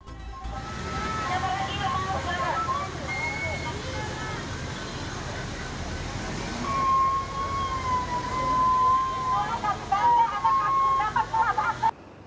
kita balik lagi ya bang